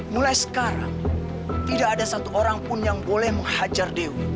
mulai sekarang tidak ada satu orang pun yang boleh menghajar dewi